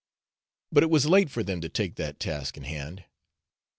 But it was late for them to take that task in hand.